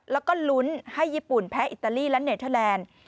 แล้วก็ลุ้นให้ญี่ปุ่นแพ้อิตาลีและเนเทอร์แลนด์